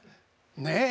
ねえ。